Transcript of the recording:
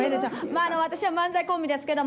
まあ私ら漫才コンビですけども。